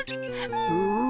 うん。